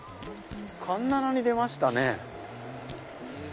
環七に出ましたね。